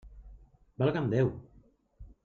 Valga'm Déu!